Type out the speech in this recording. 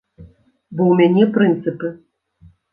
Бо ў мяне прынцыпы!